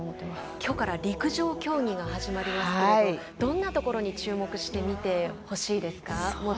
今日から陸上競技が始まりますがどんなところに注目して見てほしいですか。